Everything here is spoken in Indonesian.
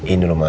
ini loh ma